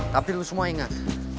tapi lu semua ingat